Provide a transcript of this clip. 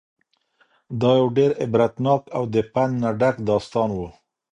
دا یو ډېر عبرتناک او د پند نه ډک داستان و.